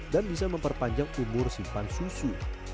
dan bisa memperpanjang umur simpan susu